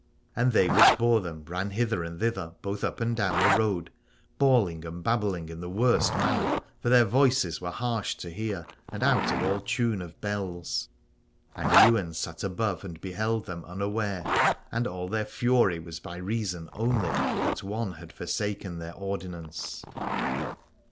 And they which bore them ran hither and thither both up and down the road, bawling and babbling in the worst manner : for their voices were harsh to hear, and out of all tune of bells. And Ywain sat above and beheld them unaware : and all their fury was by reason only that one had forsaken their ordinance.